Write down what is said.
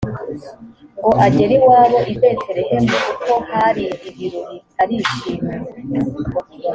ngo agere iwabo i betelehemu kuko hari ibirori arishima